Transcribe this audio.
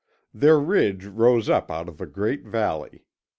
Their ridge rose up out of a great valley.